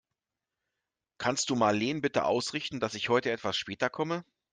Kannst du Marleen bitte ausrichten, dass ich heute etwas später komme?